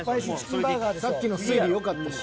さっきの推理よかったし。